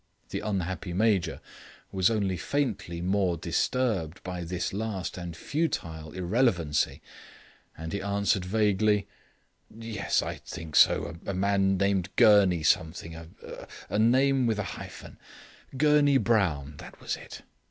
The unhappy Major was only faintly more disturbed by this last and futile irrelevancy, and he answered vaguely: "Yes, I think so; a man named Gurney something a name with a hyphen Gurney Brown; that was it."